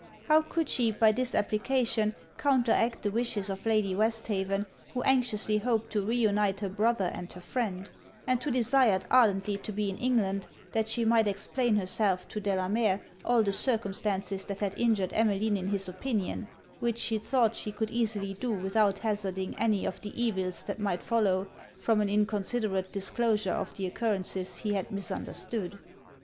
How could she, by this application, counteract the wishes of Lady Westhaven, who anxiously hoped to re unite her brother and her friend; and who desired ardently to be in England, that she might explain herself, to Delamere, all the circumstances that had injured Emmeline in his opinion; which she thought she could easily do without hazarding any of the evils that might follow from an inconsiderate disclosure of the occurrences he had misunderstood.